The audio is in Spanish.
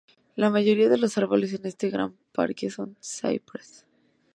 La mayoría de los árboles en este gran parque son cipreses.